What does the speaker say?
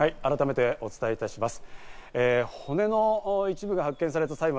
改めてお伝えいたします。